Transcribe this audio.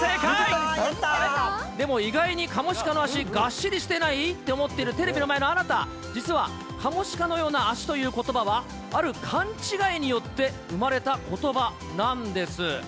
直川さでも意外にカモシカの足、がっしりしてない？って思ってるテレビの前のあなた、実はカモシカのような足ということばは、ある勘違いによって生まれたことばなんです。